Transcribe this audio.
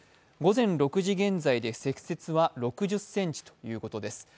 午前６時現在で積雪は６０ｃｍということです。